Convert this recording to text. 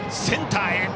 センターへ。